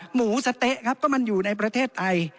หมูสะเต๊ะครับก็มันอยู่ในประเทศไทย